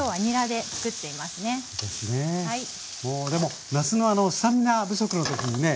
でも夏のスタミナ不足の時にね